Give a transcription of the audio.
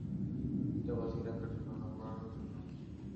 এটা বাঁচিয়ে রাখার জন্য না, উড়ানোর জন্য!